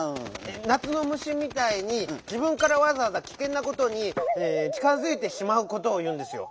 なつのむしみたいに「じぶんからわざわざきけんなことにちかづいてしまう」ことをいうんですよ。